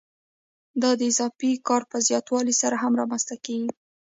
دا د اضافي کار په زیاتوالي سره هم رامنځته کېږي